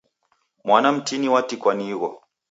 Mwana mtini watikwa ni igho.